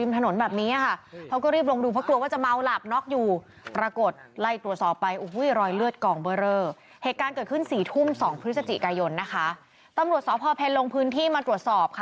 ตรงนี้เนี่ยทั่ว